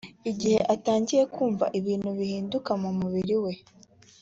igihe atangiye kumva ibintu bihinduka mu mubiri we